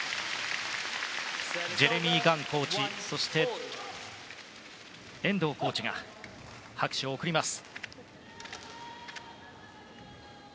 ジェレミーコーチとそして遠藤コーチが拍手を送ります。